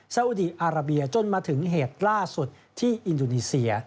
อุดีอาราเบียจนมาถึงเหตุล่าสุดที่อินโดนีเซีย